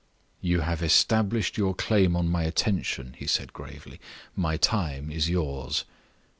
"You have established your claim on my attention," he said, gravely. "My time is yours."